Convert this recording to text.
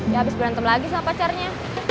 ya habis berantem lagi sama pacarnya